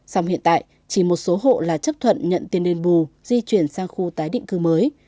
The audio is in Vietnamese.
song hiện tại chỉ một số hộ là chấp thuận nhận tiền đền bù di chuyển sang khu tái định cư mới